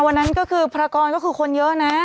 วันนั้นก็คือพระกรก็คือคนเยอะนะ